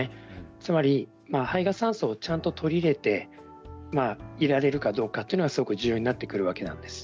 つまり肺が酸素をちゃんと取り入れていられるかどうかというのがすごく重要になってくるわけです。